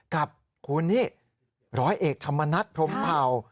กับคุณนี่ร้อยเอกธรรมนัฐพรมเผ่า